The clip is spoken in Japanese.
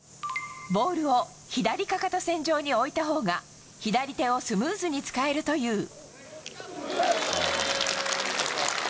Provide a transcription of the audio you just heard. ボールを左かかと線上に置いたほうが左手をスムーズに使えるという。